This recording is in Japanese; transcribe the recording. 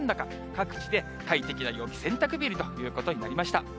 各地で快適な陽気、洗濯日和ということになりました。